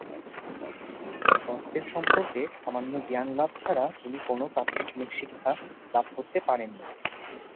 সংস্কৃত সম্পর্কে সামান্য জ্ঞান লাভ ছাড়া তিনি কোন প্রাতিষ্ঠানিক শিক্ষা লাভ করতে পারেননি।